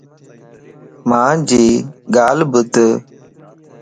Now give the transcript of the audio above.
مانجي ڳالھ ٻُڌ